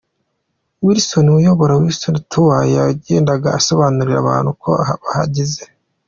Wilson uyobora Wilson Tours yagendaga asobanurira abantu aho bageze.